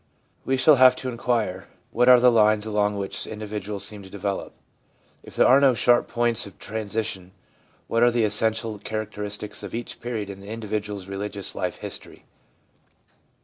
We shall have to inquire, What are the lines along which individuals seem to develop? If there are no sharp points of transition, what are the essential characteristics of each period in the individual's religious life history?